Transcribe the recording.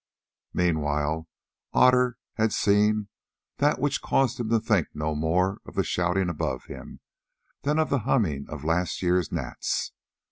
Meanwhile Otter had seen that which caused him to think no more of the shouting above him than of the humming of last year's gnats.